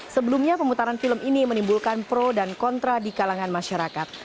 sebelumnya pemutaran film ini menimbulkan pro dan kontra di kalangan masyarakat